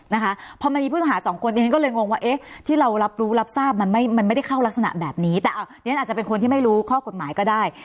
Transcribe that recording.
นะคะพอมันมีผู้ต้องหาสองคนดิฉันก็เลยงงว่าเอ๊ะที่เรารับรู้รับทราบมันไม่มันไม่ได้เข้ารักษณะแบบนี้แต่อ่ะดิฉันอาจจะเป็นคนที่ไม่รู้ข้อกฎหมายก็ได้